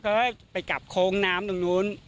ก็ดูนะครับไปกลับโค้งน้ำตรงนู้น